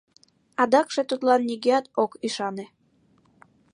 Адакше тудлан нигӧат ок ӱшане.